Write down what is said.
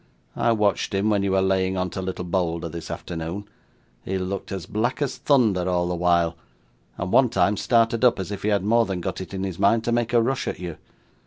I watched him when you were laying on to little Bolder this afternoon. He looked as black as thunder, all the while, and, one time, started up as if he had more than got it in his mind to make a rush at you.